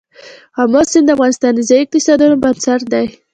آمو سیند د افغانستان د ځایي اقتصادونو بنسټ دی.